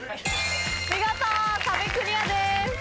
見事壁クリアです。